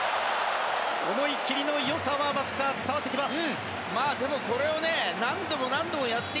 思い切りのよさは、松木さん伝わってきます。